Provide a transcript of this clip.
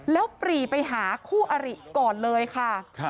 แล้วปรีไปหาคู่อริก่อนเลยค่ะ